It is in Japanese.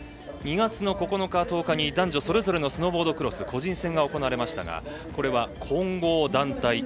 ２月の９日、１０日に男女それぞれのスノーボードクロス個人戦が行われましたがこれは混合団体。